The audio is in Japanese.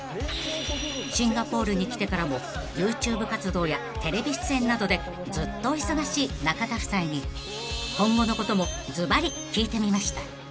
［シンガポールに来てからもＹｏｕＴｕｂｅ活動やテレビ出演などでずっとお忙しい中田夫妻に今後のこともずばり聞いてみました］